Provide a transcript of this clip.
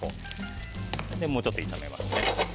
もうちょっと炒めます。